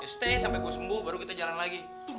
stay sampe gua sembuh baru kita jalan lagi